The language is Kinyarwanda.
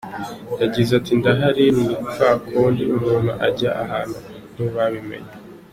Yagize ati “ Ndahari, ni kwa kundi umuntu ajya ahantu ntibabimenye….